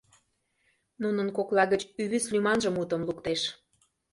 Нунын кокла гыч Ӱвӱсь лӱманже мутым луктеш: